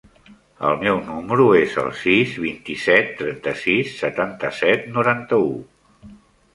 El meu número es el sis, vint-i-set, trenta-sis, setanta-set, noranta-u.